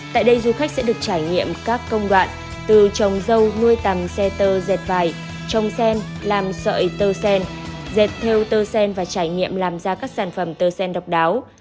tại đây du khách sẽ được trải nghiệm các công đoạn từ trồng dâu nuôi tầm xe tơ dệt vải trông sen làm sợi tơ sen dẹt theo tơ sen và trải nghiệm làm ra các sản phẩm tơ sen độc đáo